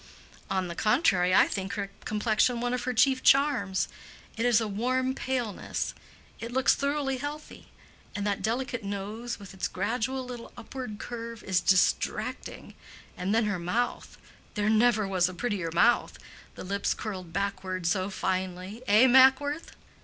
"On the contrary, I think her complexion one of her chief charms. It is a warm paleness; it looks thoroughly healthy. And that delicate nose with its gradual little upward curve is distracting. And then her mouth—there never was a prettier mouth, the lips curled backward so finely, eh, Mackworth?"